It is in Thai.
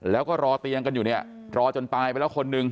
แล้วก็รอเตียงกันอยู่เนี่ยรอจนตายไปแล้วคนหนึ่ง